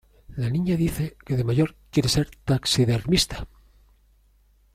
La niña dice que de mayor quiere ser taxidermista.